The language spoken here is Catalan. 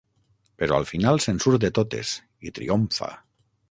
Però al final se'n surt de totes, i triomfa.